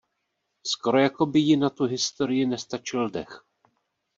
Skoro jako by jí na tu historii nestačil dech.